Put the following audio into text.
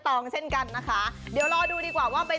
น้องกระดาษอีกท่านหนึ่งก็คือด้านนั้น